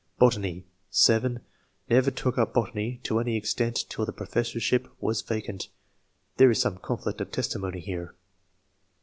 Botany. — (7) Never took up botany to any extent till the professorship was vacant. [There is some conflict of testimony here.